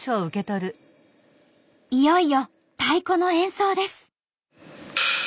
いよいよ太鼓の演奏です。